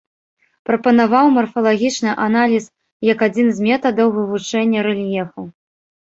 Прапанаваў марфалагічны аналіз як адзін з метадаў вывучэння рэльефу.